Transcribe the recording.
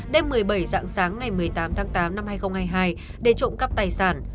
đêm một mươi bảy dạng sáng ngày một mươi tám tháng tám năm hai nghìn hai mươi hai để trộm cắp tài sản